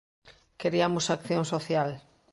Queriamos acción social.